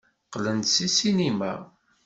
Qqlen-d seg ssinima.